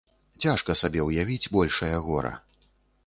Цяжка сабе ўявіць большае гора.